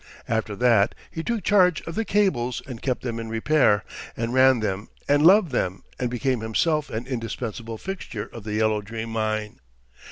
After that he took charge of the cables and kept them in repair, and ran them and loved them, and became himself an indispensable fixture of the Yellow Dream mine.